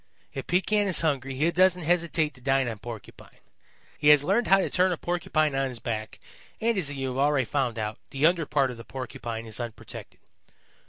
If Pekan is hungry he doesn't hesitate to dine on Porcupine. He has learned how to turn a Porcupine on his back, and, as you have already found out, the under part of the Porcupine is unprotected.